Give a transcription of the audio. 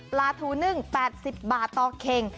ปลาทูนึ่ง๘๐บาทต่อเข่ง